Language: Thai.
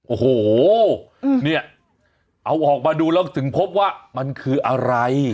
โอ้โหเนี่ยเอาออกมาดูแล้วถึงพบว่ามันคืออะไร